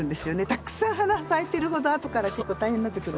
たくさん花咲いてるほどあとからちょっと大変になってくるので。